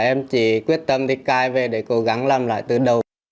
em chỉ quyết tâm đi cai về để cố gắng làm lại từ đầu